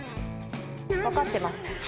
分かってます。